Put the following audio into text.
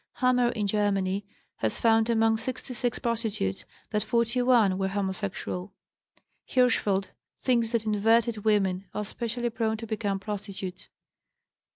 Hammer in Germany has found among 66 prostitutes that 41 were homosexual. Hirschfeld thinks that inverted women are specially prone to become prostitutes.